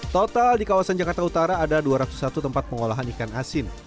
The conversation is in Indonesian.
total di kawasan jakarta utara ada dua ratus satu tempat pengolahan ikan asin